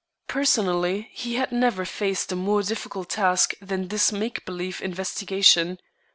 Personally, he had never faced a more difficult task than this make believe investigation.